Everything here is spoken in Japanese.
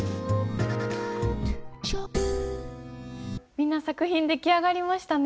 みんな作品出来上がりましたね。